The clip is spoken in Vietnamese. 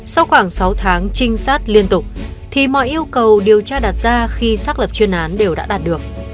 sau khoảng sáu tháng trinh sát liên tục thì mọi yêu cầu điều tra đặt ra khi xác lập chuyên án đều đã đạt được